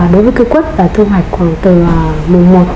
đối với cây quất tôi hoạch từ mùa một tháng bốn đến mùa một tháng sáu